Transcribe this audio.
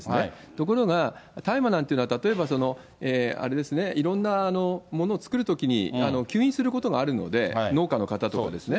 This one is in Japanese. ところが大麻なんていうのは、例えばあれですね、いろんなものを作るときに吸引することがあるので、農家の方とかですね。